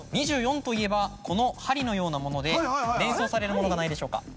２４といえばこの針のようなもので連想されるものがないでしょうか？